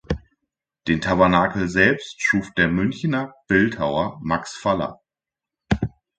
Den Tabernakel selbst schuf der Münchner Bildhauer Max Faller.